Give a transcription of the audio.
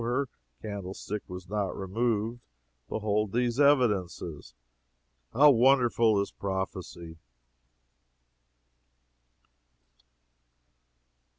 her candle stick was not removed. Behold these evidences! How wonderful is prophecy!"